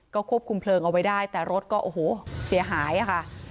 ก็ควบคุมเพลิงเอาไว้ได้แต่รถก็โอ้โหเสียหายค่ะ